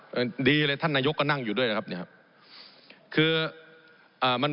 ผมอภิปรายเรื่องการขยายสมภาษณ์รถไฟฟ้าสายสีเขียวนะครับ